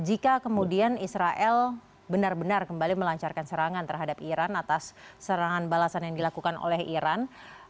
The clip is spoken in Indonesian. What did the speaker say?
jika kemudian israel benar benar kembali melancarkan serangan terhadap iran atas serangan balasan yang dilakukan oleh iran